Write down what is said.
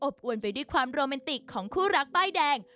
อวนไปด้วยความโรแมนติกของคู่รักป้ายแดง